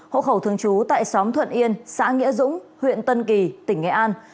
hộ khẩu thường trú tại xóm thuận yên xã nghĩa dũng huyện tân kỳ tỉnh nghệ an